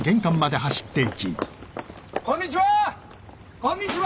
こんにちは！